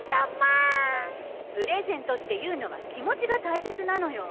プレゼントっていうのは気持ちが大切なのよ。